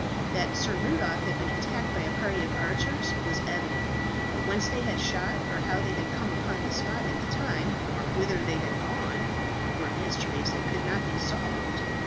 That Sir Rudolph had been attacked by a party of archers was evident; but whence they had shot, or how they had come upon the spot at the time, or whither they had gone, were mysteries that could not be solved.